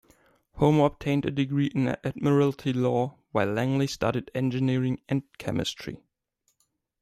Homer obtained a degree in admiralty law, while Langley studied engineering and chemistry.